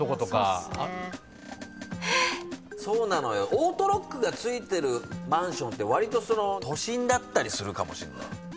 オートロックが付いてるマンションってわりと都心だったりするかもしれない。